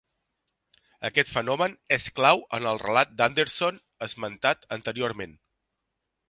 Aquest fenomen és clau en el relat d'Anderson esmentat anteriorment.